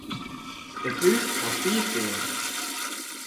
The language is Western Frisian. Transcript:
It hús hat fiif keamers.